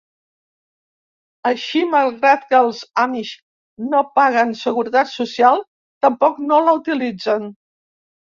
Així, malgrat que els amish no paguen Seguretat Social, tampoc no la utilitzen.